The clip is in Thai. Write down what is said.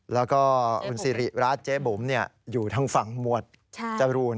แล้วก็คุณสิริราชเจ๊บุ๋มอยู่ทางฝั่งหมวดจรูน